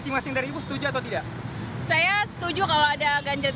saya nggak setuju diperpanjang